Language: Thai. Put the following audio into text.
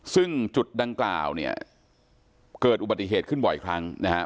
ซึ่งจุดดังกล่าวเนี่ยเกิดอุบัติเหตุขึ้นบ่อยครั้งนะครับ